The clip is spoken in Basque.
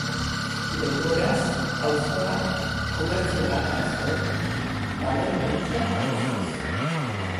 Denboraz auzoak komertzio-ganbara zuen, balore-burtsa eta guztiz.